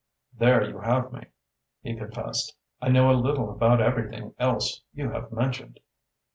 "There you have me," he confessed. "I know a little about everything else you have mentioned."